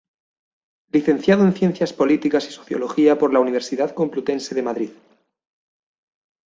Licenciado en Ciencias Políticas y Sociología por la Universidad Complutense de Madrid.